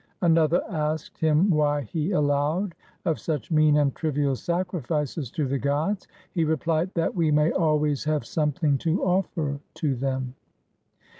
Another asked him why he allowed of such mean and trivial sacrifices to the gods. He replied, "That we may always have something to offer to them."